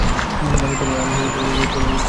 আমি তোর দিওয়ানা, তুই আমার মজনু, আমি তোর লায়লা।